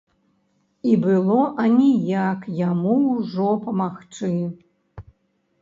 І было аніяк яму ўжо памагчы.